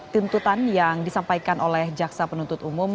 tuntutan yang disampaikan oleh jaksa penuntut umum